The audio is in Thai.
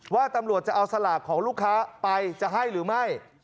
ว่าตำรวจจะเอาสลากของลูกค้าไปจะให้หรือไม่